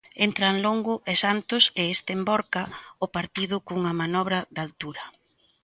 Entran Longo e Santos e este envorca o partido cunha manobra de altura.